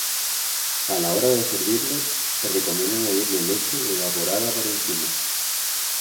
A la hora de servirlo, se recomienda añadirle leche evaporada por encima.